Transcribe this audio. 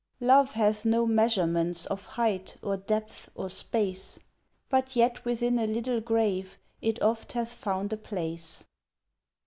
Love hath no measurements of height, or depth, or space, But yet within a little grave it oft hath found a place.